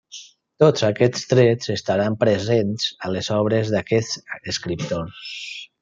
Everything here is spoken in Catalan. Tots aquests trets estaran presents a les obres d’aquests escriptors.